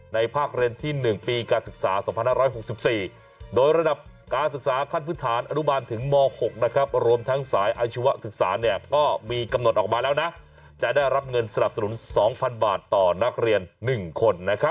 ภาคเรียนที่๑ปีการศึกษา๒๕๖๔โดยระดับการศึกษาขั้นพื้นฐานอนุบาลถึงม๖รวมทั้งสายอาชีวศึกษาก็มีกำหนดออกมาแล้วนะจะได้รับเงินสนับสนุน๒๐๐๐บาทต่อนักเรียน๑คน